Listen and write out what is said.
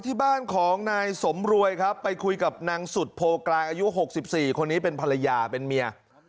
ที่บ้านของนายสมรวยครับไปคุยกับนางสุดโพกลางอายุ๖๔คนนี้เป็นภรรยาเป็นเมีย